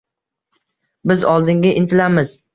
Biz oldinga intilamiz